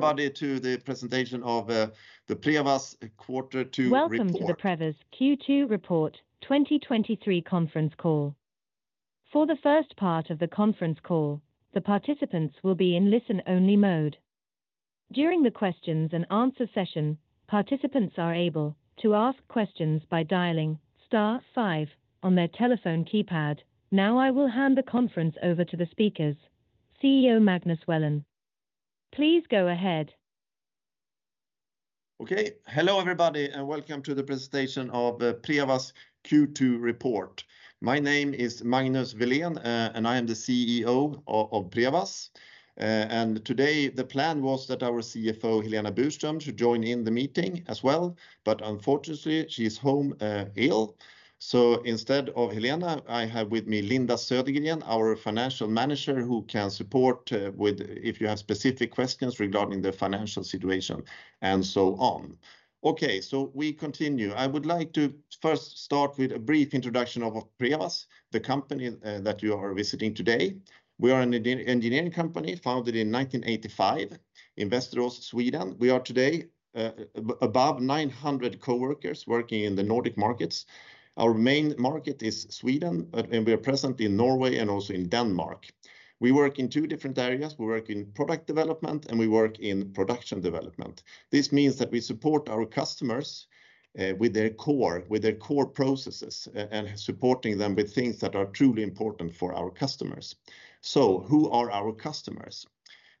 Welcome to the Prevas Q2 report 2023 Conference Call. For the first part of the conference call, the participants will be in listen-only mode. During the question-and-answer session, participants are able to ask questions by dialing star five on their telephone keypad. Now, I will hand the conference over to the speakers. CEO Magnus Welén, please go ahead. Okay. Hello, everybody, and welcome to the presentation of Prevas Q2 Report. My name is Magnus Welén, and I am the CEO of Prevas. Today, the plan was that our CFO, Helena Burström, should join in the meeting as well, but unfortunately, she's home ill. Instead of Helena, I have with me Linda Södergren, our Financial Manager, who can support if you have specific questions regarding the financial situation and so on. We continue. I would like to first start with a brief introduction of Prevas, the company, that you are visiting today. We are an engineering company founded in 1985, in Västerås, Sweden. We are today above 900 coworkers working in the Nordic markets. Our main market is Sweden, we are present in Norway and also in Denmark. We work in two different areas. We work in product development, and we work in production development. This means that we support our customers with their core processes and supporting them with things that are truly important for our customers. Who are our customers?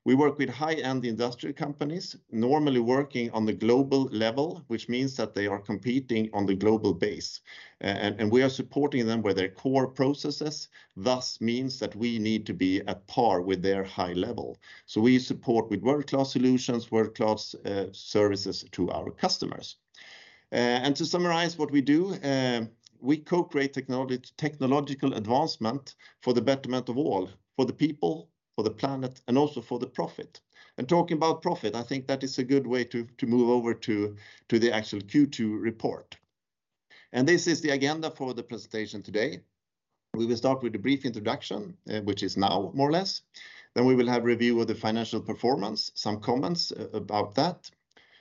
We work with high-end industrial companies, normally working on the global level, which means that they are competing on a global base. We are supporting them with their core processes, thus means that we need to be at par with their high level. We support with world-class solutions, world-class services to our customers. To summarize what we do, we co-create technology, technological advancement for the betterment of all, for the people, for the planet, and also for the profit. Talking about profit, I think that is a good way to move over to the actual Q2 report. This is the agenda for the presentation today. We will start with a brief introduction, which is now, more or less. We will have review of the financial performance, some comments about that,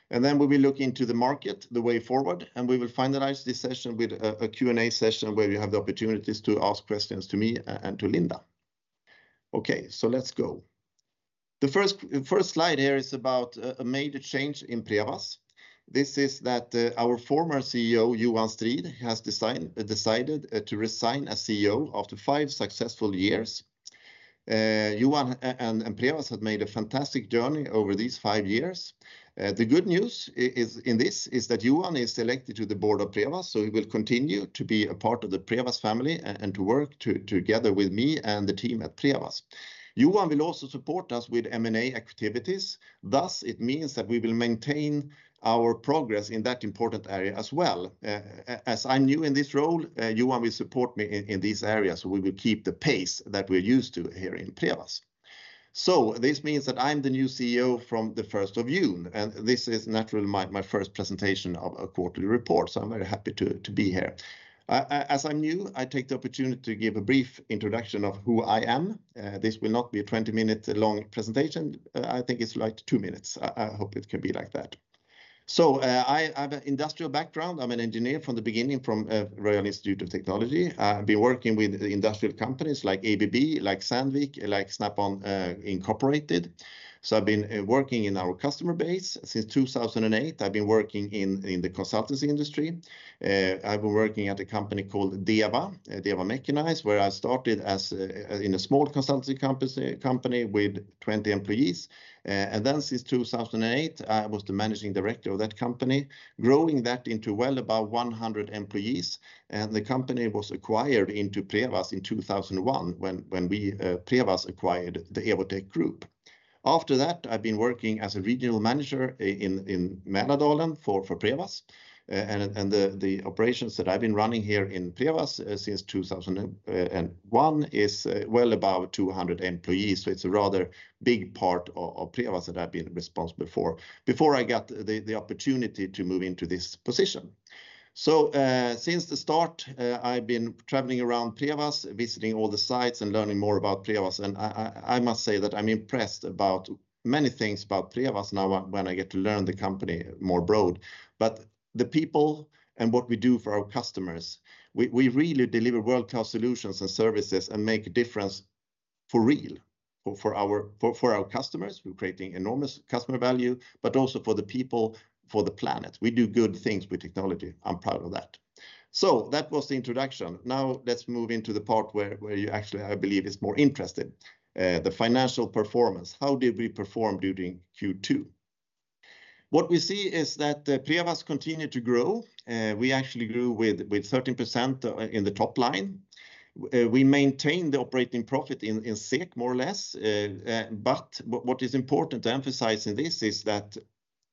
then we'll be looking to the market, the way forward, and we will finalize this session with a Q&A session, where you have the opportunities to ask questions to me and to Linda. Okay, let's go. The first slide here is about a major change in Prevas. This is because our former CEO, Johan Strid, has decided to resign as CEO after 5 successful years. Johan and Prevas have made a fantastic journey over these five years. The good news is, in this, is that Johan is elected to the board of Prevas, so he will continue to be a part of the Prevas family and to work together with the team at Prevas and me. Johan will also support us with M&A activities. Thus, it means that we will maintain our progress in that important area as well. As I'm new in this role, Johan will support me in these areas, so we will keep the pace that we're used to here in Prevas. This means that I'm the new CEO from the first of June, and this is naturally my first presentation of a quarterly report, so I'm very happy to be here. As I'm new, I take the opportunity to give a brief introduction of who I am. This will not be a 20-minute-long presentation. I think it's two minutes. I hope it can be like that. I have an industrial background. I'm an engineer from the beginning, from the Royal Institute of Technology. I've been working with industrial companies like ABB, Sandvik, and Snap-on Incorporated. I've been working in our customer base since 2008. I've been working in the consultancy industry. I've been working at a company called DEVA, Deva Mecanyes, where I started as a in a small consultancy company with 20 employees. Since 2008, I was the managing director of that company, growing that into well above 100 employees, and the company was acquired into Prevas in 2001, when we, Prevas acquired the Evotech Group. After that, I've been working as a regional manager in Mälardalen for Prevas, and the operations that I've been running here in Prevas since 2001 is well above 200 employees. It's a rather big part of Prevas that I've been responsible for before I got the opportunity to move into this position. Since the start, I've been traveling around Prevas, visiting all the sites and learning more about Prevas, and I must say that I'm impressed about many things about Prevas now, when I get to learn more about the company. The people and what we do for our customers, we really deliver world-class solutions and services and make a difference for real, for our customers. We're creating enormous customer value, but also for the people, for the planet. We do good things with technology. I'm proud of that. That was the introduction. Now, let's move into the part where you actually, I believe, is more interesting: the financial performance. How did we perform during Q2? What we see is that Prevas continued to grow. We actually grew with 13% in the top line. We maintained the operating profit in SEK, more or less, but what is important to emphasize in this is that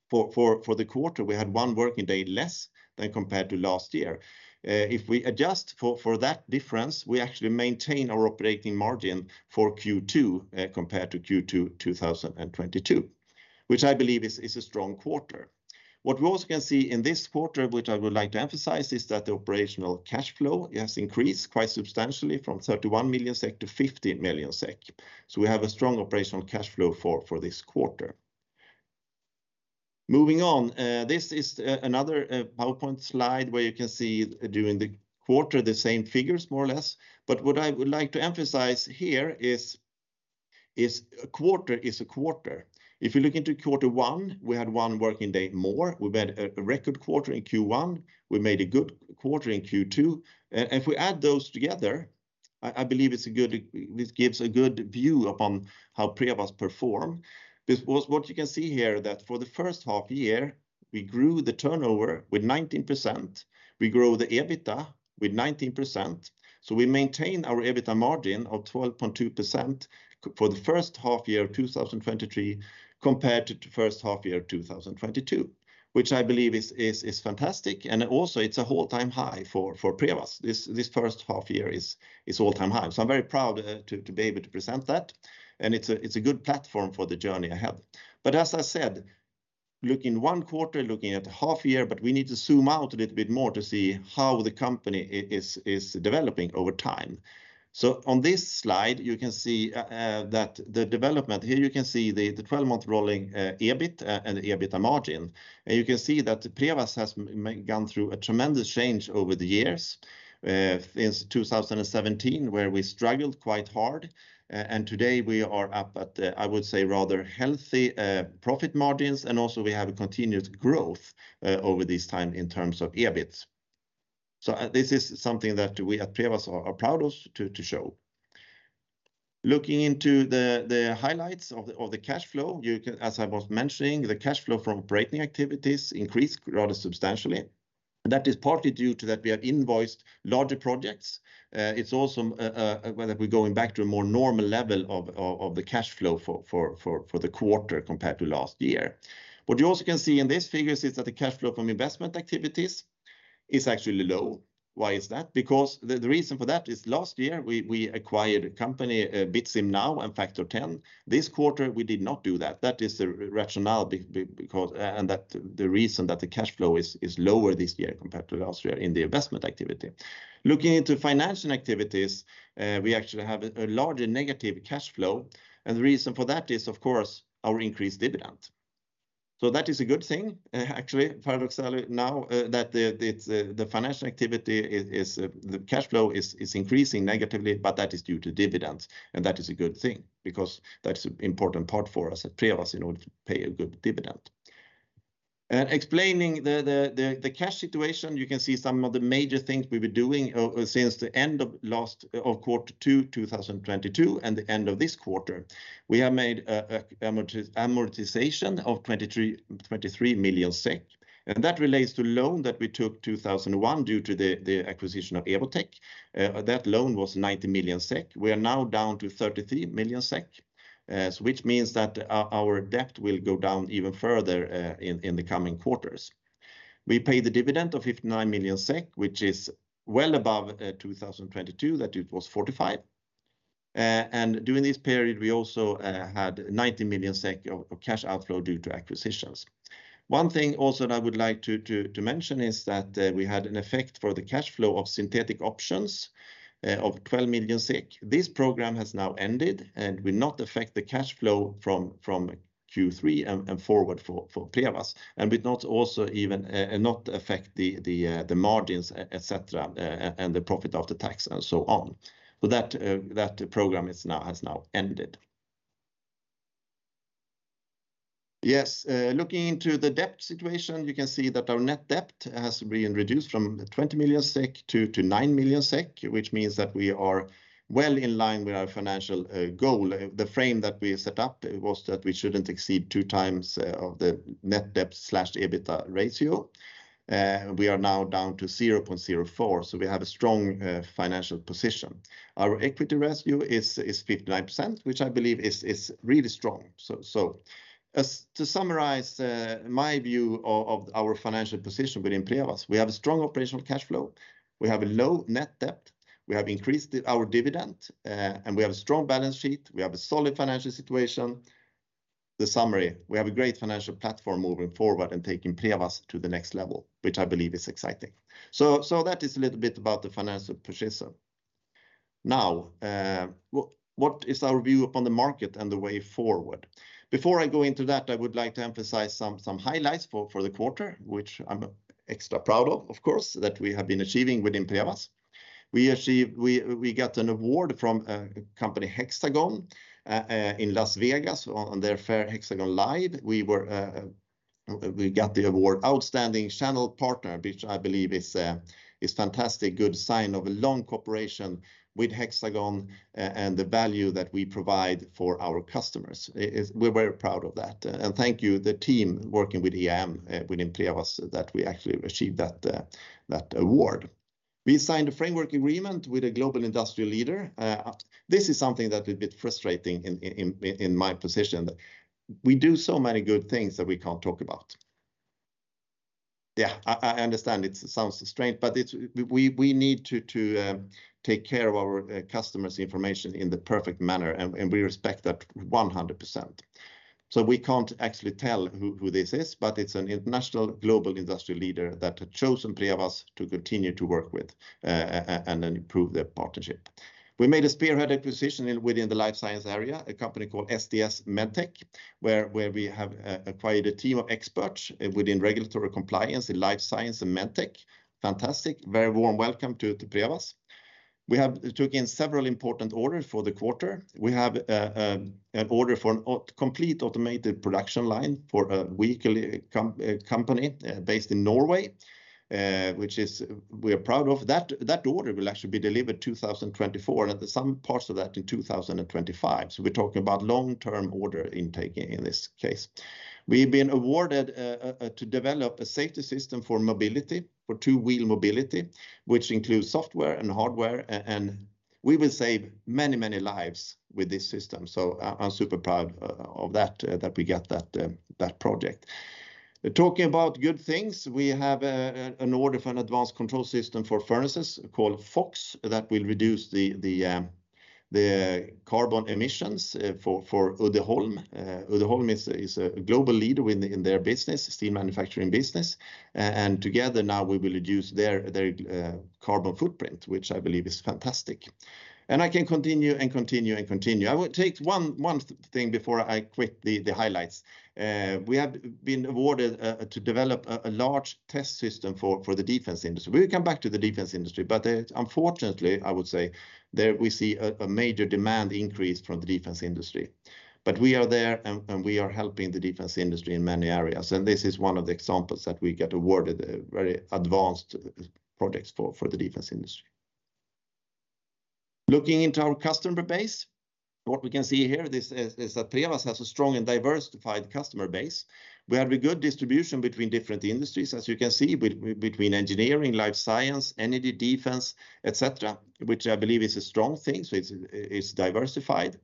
for the quarter, we had one working day less than compared to last year. If we adjust for that difference, we actually maintain our operating margin for Q2 compared to Q2 2022, which I believe is a strong quarter. What we can also see in this quarter, which I would like to emphasize, is that the operational cash flow has increased quite substantially from 31 million SEK to 15 million SEK. We have a strong operational cash flow for this quarter. Moving on, this is another PowerPoint slide where you can see during the quarter, the same figures, more or less. What I would like to emphasize here is a quarter is a quarter. If you look into quarter one, we had one working day more. We've had a record quarter in Q1. We made a good quarter in Q2, and if we add those together, I believe this gives a good view upon how Prevas performed. What you can see here, that for the first half year, we grew the turnover with 19%. We grow the EBITDA with 19%. We maintain our EBITDA margin of 12.2% for the first half year 2023, compared to the first half year 2022, which I believe is fantastic, and also it's an all-time high for Prevas. This first half year is an all-time high. I'm very proud to be able to present that, and it's a good platform for the journey ahead. As I said, looking one quarter, looking at half a year, we need to zoom out a little bit more to see how the company is developing over time. On this slide, you can see. Here, you can see the 12-month rolling EBIT and the EBITDA margin, and you can see that Prevas has gone through a tremendous change over the years, since 2017, where we struggled quite hard. Today we are up at, I would say, rather healthy profit margins, and also we have a continued growth over this time in terms of EBIT. This is something that we at Prevas are proud of to show. Looking into the highlights of the cash flow. As I mentioned, the cash flow from operating activities increased rather substantially. That is partly due to that we have invoiced larger projects. It's also whether we're going back to a more normal level of the cash flow for the quarter compared to last year. What you also can see in these figures is that the cash flow from investment activities is actually low. Why is that? The reason for that is last year, we acquired a company, BitSim NOW and factor10. This quarter, we did not do that. That is the rationale, and the reason that the cash flow is lower this year compared to last year in the investment activity. Looking into financial activities, we actually have a larger negative cash flow, and the reason for that is, of course, our increased dividend. That is a good thing, actually, paradoxically, now, that the financial activity is, the cash flow is increasing negatively, that is due to dividends, which is a good thing, because that's an important part for us at Prevas in order to pay a good dividend. Explaining the cash situation, you can see some of the major things we've been doing, since the end of last quarter, two, 2022, the end of this quarter. We have made an amortization of 23 million SEK, which relates to loan that we took 2001, due to the acquisition of Evotech. That loan was 90 million SEK. We are now down to 33 million SEK, which means that our debt will go down even further in the coming quarters. We paid the dividend of 59 million SEK, which is well above 2022, when it was 45 million. During this period, we also had 90 million SEK of cash outflow due to acquisitions. One thing also that I would like to mention is that we had an effect for the cash flow of synthetic options of 12 million. This program has now ended and will not affect the cash flow from Q3 and forward for Prevas, and will not also even and not affect the margins, et cetera, and the profit of the tax and so on. That program has now ended. Looking into the debt situation, you can see that our net debt has been reduced from 20 million SEK to 9 million SEK, which means that we are well in line with our financial goal. The frame that we set up was that we shouldn't exceed 2x of the net debt/EBITDA ratio. We are now down to 0.04, so we have a strong financial position. Our equity ratio is 59%, which I believe is really strong. As to summarize, my view of our financial position within Prevas, we have a strong operational cash flow, we have a low net debt, we have increased our dividend, and we have a strong balance sheet, we have a solid financial situation. In summary, we have a great financial platform moving forward and taking Prevas to the next level, which I believe is exciting. That is a little bit about the financial position. What is our view on the market and the way forward? Before I go into that, I would like to emphasize some highlights for the quarter, which I'm extra proud of course, that we have been achieving within Prevas. We got an award from the company Hexagon in Las Vegas, on their fair HxGN LIVE. We got the award, Outstanding Channel Partner, which I believe is fantastic, a good sign of long-term cooperation with Hexagon and the value that we provide for our customers. is we're very proud of that, and thank you, the team, working with EAM within Prevas, for actually achieved that award. We signed a framework agreement with a global industrial leader. This is something that a bit frustrating in my position, that we do so many good things that we can't talk about. Yeah, I understand it sounds strange, but it's, we need to take care of our customers' information in the perfect manner, and we respect that 100%. We can't actually tell who this is, but it's an international global industry leader that had chosen Prevas to continue to work with and then improve their partnership. We made a spearhead acquisition within the Life Science area, a company called SDS MedteQ, where we have acquired a team of experts within regulatory compliance in Life Science and Medtech. Fantastic. Very warm welcome to Prevas. We have taken in several important orders for the quarter. We have an order for a complete automated production line for a weekly company based in Norway, which is we are proud of. That order will actually be delivered in 2024, and some parts of that in 2025, so we're talking about long-term order intake in this case. We've been awarded to develop a safety system for mobility, for two-wheel mobility, which includes software and hardware, and we will save many, many lives with this system. I'm super proud of that we got that project. Talking about good things, we have an order for an advanced control system for furnaces called FOCS, which will reduce the carbon emissions for Uddeholm. Uddeholm is a global leader in the steel manufacturing business, and together now we will reduce their carbon footprint, which I believe is fantastic. I can continue, and continue, and continue. I will take one thing before I quit the highlights. We have been awarded to develop a large test system for the defense industry. We'll come back to the defense industry, but unfortunately, I would say, there we see a major demand increase from the defense industry. We are there, and we are helping the defense industry in many areas, and this is one of the examples where we get awarded very advanced projects for the defense industry. Looking into our customer base, what we can see here is that Prevas has a strong and diversified customer base, where we have good distribution between different industries, as you can see, between Engineering, Life Science, Energy, Defense, et cetera, which I believe is a strong thing, so it's diversified.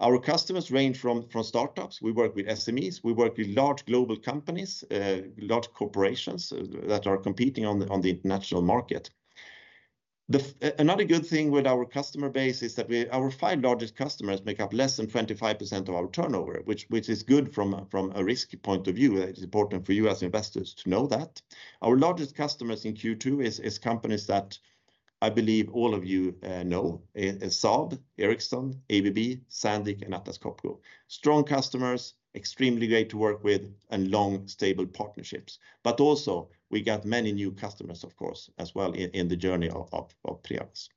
Our customers range from startups. We work with SMEs, we work with large global companies, and large corporations that are competing on the international market. Another good thing with our customer base is that our five largest customers make up less than 25% of our turnover, which is good from a risk point of view. It is important for you as investors to know that. Our largest customers in Q2 are companies that I believe all of you know, is Saab, Ericsson, ABB, Sandvik, and Atlas Copco. Strong customers, extremely great to work with, and long, stable partnerships. Also, we got many new customers, of course, as well, in the journey of Prevas.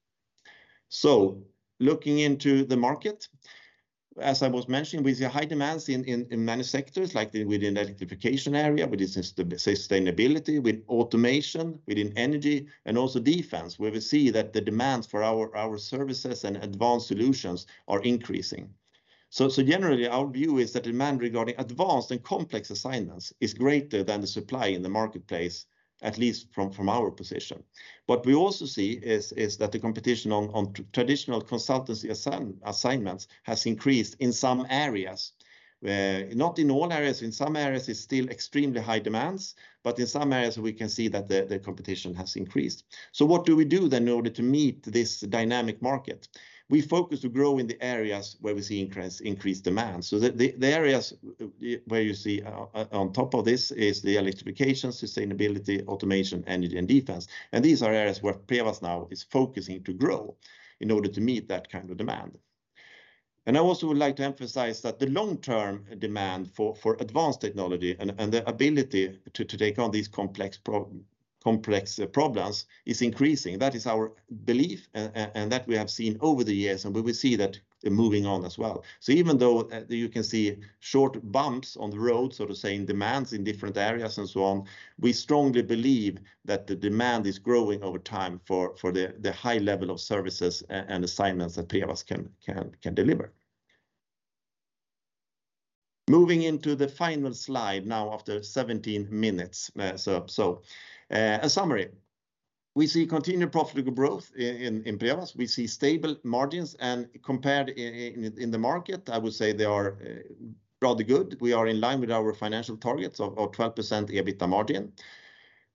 Looking into the market, as I mentioned, we see high demand in many sectors, like within the electrification area, within sustainability, with automation, within energy, and also defense, where we see that the demand for our services and advanced solutions is increasing. Generally, our view is that demand regarding advanced and complex assignments is greater than the supply in the marketplace, at least from our position. What we also see is that the competition on traditional consultancy assignments has increased in some areas, not in all areas. In some areas, it's still extremely high demand, but in some areas, we can see that the competition has increased. What do we do then in order to meet this dynamic market? We focus on growing in the areas where we see increased demand. The areas where you see on top of this is the electrification, sustainability, automation, energy, and defense, and these are areas where Prevas is now focusing to grow in order to meet that kind of demand. I would also like to emphasize that the long-term demand for advanced technology and the ability to take on these complex problems is increasing. That is our belief, and that we have seen over the years, and we will see that moving on as well. Even though you can see short bumps on the road, so to say, in demands in different areas and so on, we strongly believe that the demand is growing over time for the high level of services and assignments that Prevas can deliver. Moving into the final slide now after 17 minutes. A summary: We see continued profitable growth in Prevas. We see stable margins, and compared in the market, I would say they are rather good. We are in line with our financial targets of 12% EBITDA margin.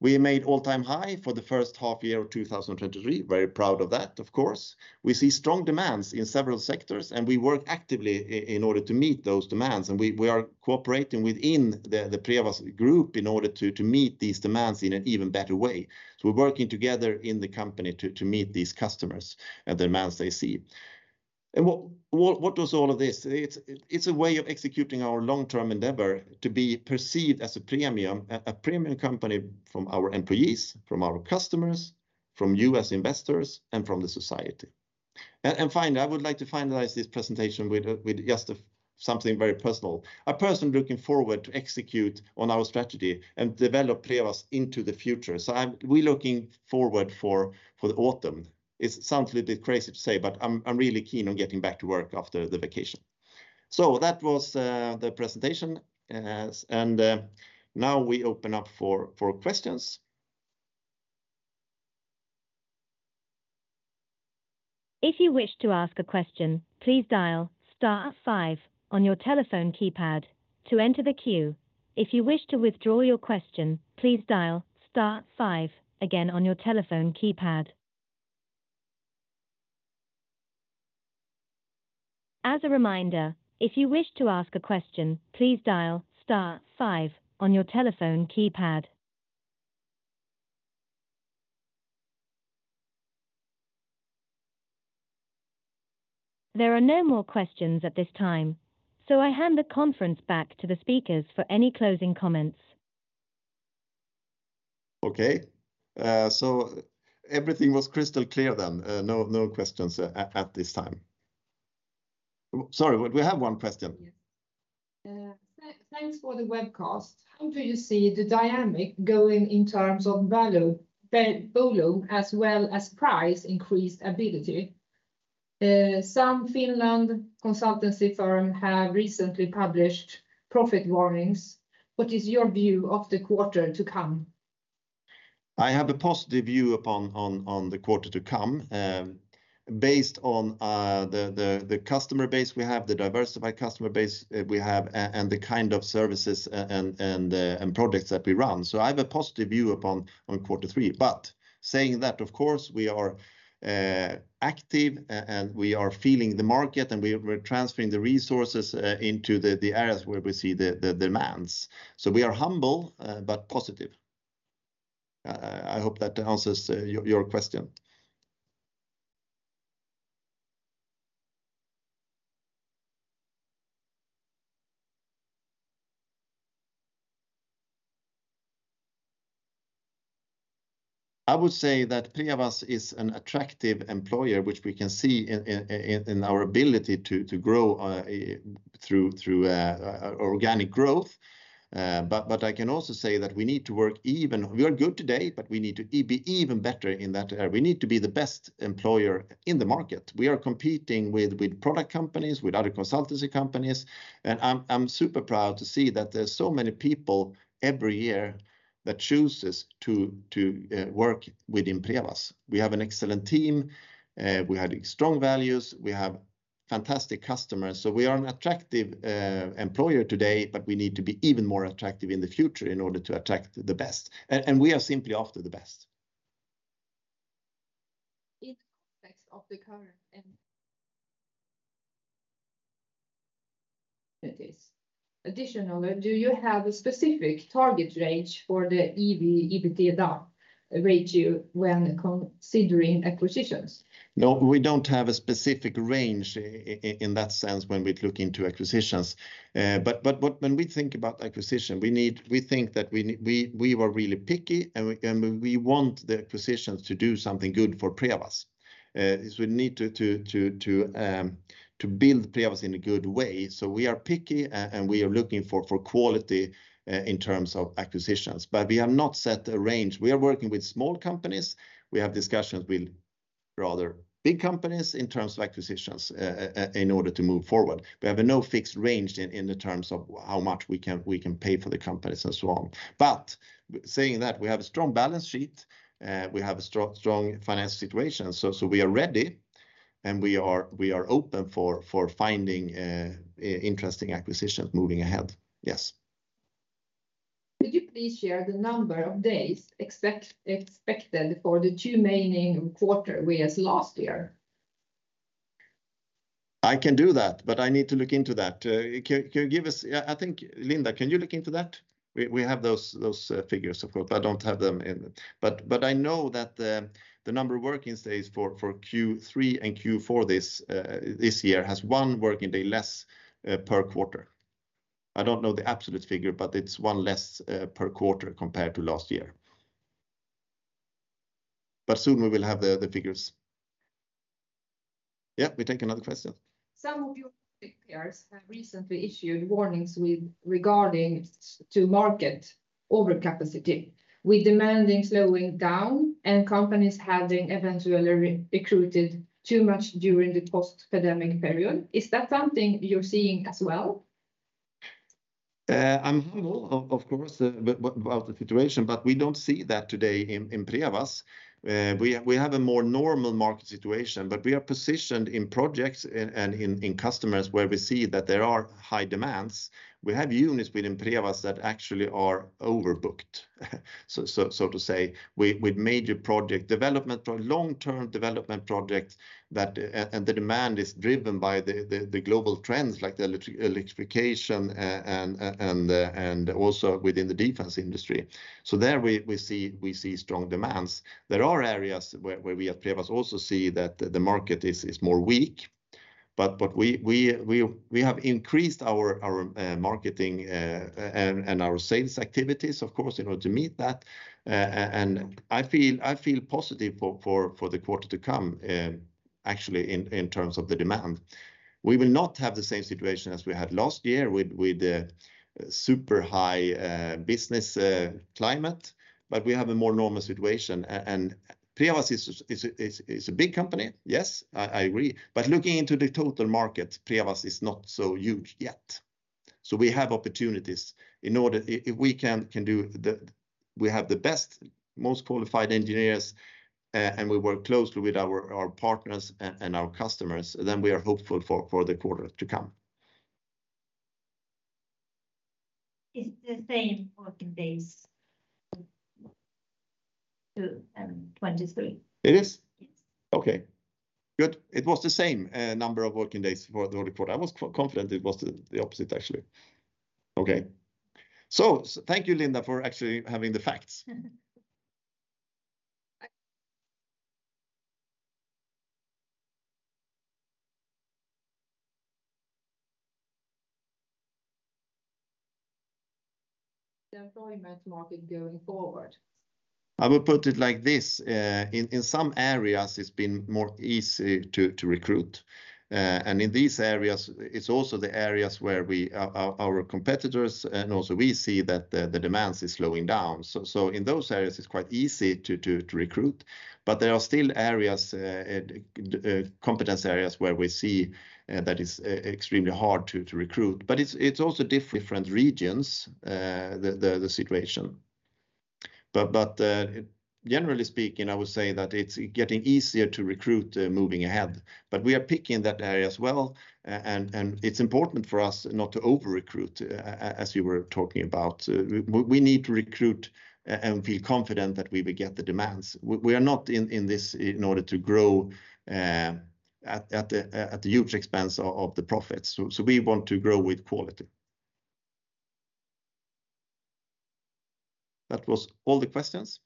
We made all-time high for the first half year of 2023. Very proud of that, of course. We see strong demands in several sectors, and we work actively in order to meet those demands, and we are cooperating within the Prevas group in order to meet these demands in an even better way. We're working together in the company to meet these customers and demands they see. What does all of this? It's a way of executing our long-term endeavor to be perceived as a premium, a premium company from our employees, from our customers, from you as investors, and from the society. Finally, I would like to finalize this presentation with just something very personal. I personally looking forward to execute on our strategy and develop Prevas into the future. We looking forward for the autumn. It sounds a little bit crazy to say, but I'm really keen on getting back to work after the vacation. That was the presentation. Now we open up for questions. If you wish to ask a question, please dial star five on your telephone keypad to enter the queue. If you wish to withdraw your question, please dial star five again on your telephone keypad. As a reminder, if you wish to ask a question, please dial star five on your telephone keypad. There are no more questions at this time, so I hand the conference back to the speakers for any closing comments. Okay. Was everything crystal clear then? No, no questions at this time. Sorry, we have one question. Yes. Thanks for the webcast. How do you see the dynamic going in terms of value, volume, as well as price increased ability? Some Finland consultancy firm have recently published profit warnings. What is your view of the quarter to come? I have a positive view upon on the quarter to come, based on the customer base we have, the diversified customer base we have, and the kind of services and projects that we run. I have a positive view upon on quarter three. Saying that, of course, we are active and we are feeling the market, and we're transferring the resources into the areas where we see the demands. We are humble but positive. I hope that answers your question. I would say that Prevas is an attractive employer, which we can see in our ability to grow through organic growth. I can also say that we need to work even. We are good today, but we need to be even better in that area. We need to be the best employer in the market. We are competing with product companies, with other consultancy companies, and I'm super proud to see that there's so many people every year that chooses to work within Prevas. We have an excellent team, we have strong values, we have fantastic customers. We are an attractive employer today, but we need to be even more attractive in the future in order to attract the best, and we are simply after the best. In context of the current it is. Additionally, do you have a specific target range for the EV/EBITDA ratio when considering acquisitions? We don't have a specific range in that sense when we look into acquisitions. When we think about acquisition, we think that we were really picky, and we want the acquisitions to do something good for Prevas. Do we need to build Prevas in a good way. We are picky, and we are looking for quality in terms of acquisitions, but we have not set a range. We are working with small companies. We have discussions with rather big companies in terms of acquisitions in order to move forward. We have no fixed range in terms of how much we can pay for the companies and so on. Saying that, we have a strong balance sheet, we have a strong financial situation. We are ready, and we are open to finding interesting acquisitions moving ahead. Yes. Could you please share the number of days expected for the two remaining quarters versus last year? I can do that, but I need to look into that. Can you give us? Linda, can you look into that? We have those figures, of course. I don't have them in. I know that the number of working days for Q3 and Q4 this year, has one working day less per quarter. I don't know the absolute figure, but it's one less per quarter compared to last year. Soon we will have the figures. We take another question. Some of your peers have recently issued warnings with regarding to market overcapacity, with demanding a slowdown and have eventually recruited too much during the post-pandemic period. Is that something you're seeing as well? I'm humble, of course, about the situation, but we don't see that today in Prevas. We have a more normal market situation, but we are positioned in projects and in customers where we see that there are high demands. We have units within Prevas that actually are overbooked, so to say, with major project development or long-term development projects, and the demand is driven by the global trends, like electrification, and also within the defense industry. There we see strong demands. There are areas where we at Prevas also see that the market is weaker. We have increased our marketing and our sales activities in order to meet that. I feel positive for the quarter to come, actually, in terms of the demand. We will not have the same situation as we had last year with the super high business climate, but we have a more normal situation. Prevas is a big company. Yes, I agree. Looking into the total market, Prevas is not so huge yet. We have opportunities in order. If we can do the, we have the best, most qualified engineers, and we work closely with our partners and our customers, then we are hopeful for the quarter to come. It's the same working days, 2022 and 2023. It is? Yes. Okay. Good. It was the same number of working days for the whole report. I was confident it was the opposite, actually. Okay. Thank you, Linda, for actually having the facts. Definitely meant more big going forward. I will put it like this, in some areas, it's been easier to recruit. In these areas, it's also the areas where we, our competitors and also we see that the demands is slowing down. In those areas, it's quite easy to recruit. There are still areas, competence areas, where we see that it's extremely hard to recruit, but it's also different regions, the situation. Generally speaking, I would say that it's getting easier to recruit moving ahead. We are picking that area as well, and it's important for us not to over-recruit, as you were talking about. We need to recruit and feel confident that we will get the demands. We are not in this in order to grow at the huge expense of the profits. We want to grow with quality. That was all the questions?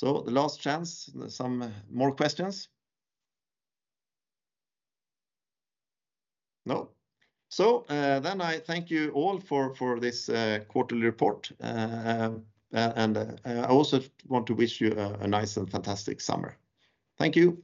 The last chance, some more questions. No. Then I thank you all for this quarterly report. I also want to wish you a nice and fantastic summer. Thank you.